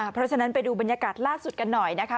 เพราะฉะนั้นไปดูบรรยากาศล่าสุดกันหน่อยนะคะ